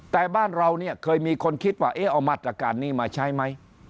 แต่บ้านเราเนี่ยเคยมีคนคิดว่าเอามาตรการนี้มาใช้ไหม